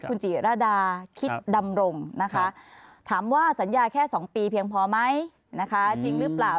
คุณจิรดาคิดดำรงนะคะถามว่าสัญญาแค่๒ปีเพียงพอไหมนะคะจริงหรือเปล่า